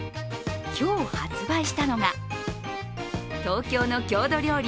今日、発売したのが東京の郷土料理